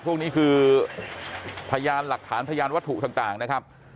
พวกนี้คือพยานหลักฐานพยานวัตถุต่างนะครับ